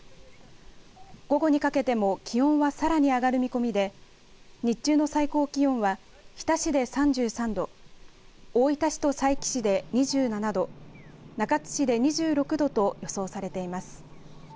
午後にかけても気温はさらに上がる見込みで日中の最高気温は日田市で３３度大分市と佐伯市で２７度中津市で２６度と予想されています。